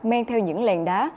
men theo những làn đá